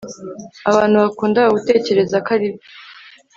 abantu bakundaga gutekereza ko aribyo